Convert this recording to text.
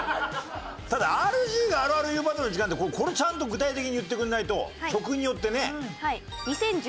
ただＲＧがあるある言うまでの時間ってこれちゃんと具体的に言ってくれないと曲によってね。